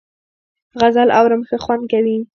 غزل اورم ښه خوند کوي .